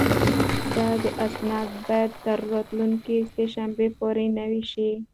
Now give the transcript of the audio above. دا اسناد باید تر راتلونکې سه شنبې پورې نوي شي.